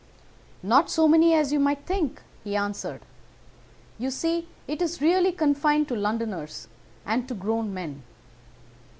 "'Not so many as you might think,' he answered. 'You see it is really confined to Londoners, and to grown men.